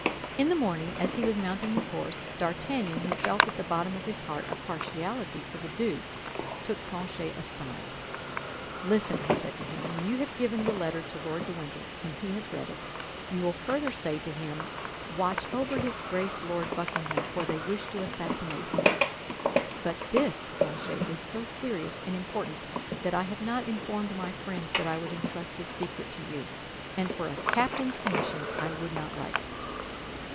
In the morning, as he was mounting his horse, D'Artagnan, who felt at the bottom of his heart a partiality for the duke, took Planchet aside. "Listen," said he to him. "When you have given the letter to Lord de Winter and he has read it, you will further say to him: Watch over his Grace Lord Buckingham, for they wish to assassinate him. But this, Planchet, is so serious and important that I have not informed my friends that I would entrust this secret to you; and for a captain's commission I would not write it."